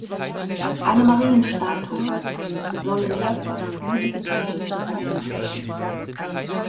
Eine Marienstatue soll mehrfach blutige Tränen geweint haben.